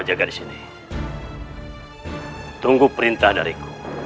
jaga disini tunggu perintah dariku